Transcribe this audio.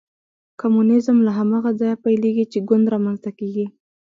کمونیزم له هماغه ځایه پیلېږي چې ګوند رامنځته کېږي.